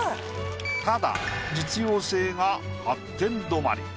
ただ実用性が８点止まり。